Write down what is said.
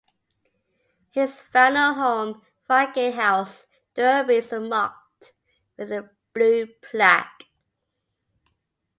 His final home, Friar Gate House, Derby, is marked with a blue plaque.